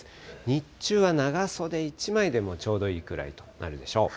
日中は長袖１枚でもちょうどいいくらいとなるでしょう。